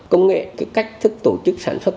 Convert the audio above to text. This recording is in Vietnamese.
công nghệ cái cách thức tổ chức sản xuất